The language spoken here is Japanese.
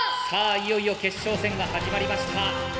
いよいよ決勝戦が始まりました。